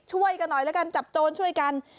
ช่วยกันหน่อยแล้วกันจับโจรช่วยกัน